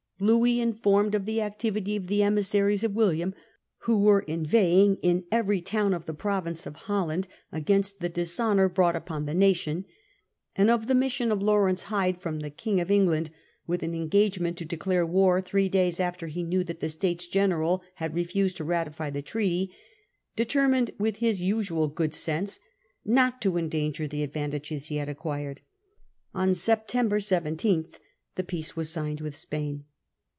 Louis, informed of the activity of the emissaries of William, who were inveighing in every town of the province of Holland against the dishonour brought upon the nation, and of the mission of Laurence Hyde from the King of England with an engagement to declare war three days Peace after he knew that the Statcs General had France n and refused to ratify the treaty, determined with Spain, his usual good sense not to endanger the ad ber 17,1678. vantages he had acquired. On September 17 the peace was signed with Spain.